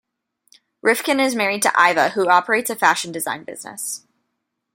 Rifkin is married to Iva, who operates a fashion design business.